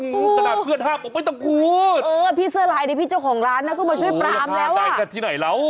กระดาษเพื่อนห้าบอกไม่ต้องพูดเออพี่เสื้อรายเนี่ยพี่เจ้าของร้านก็มาช่วยปราอมแล้วโอ๊ยค่ะได้จัดที่ไหนแล้ว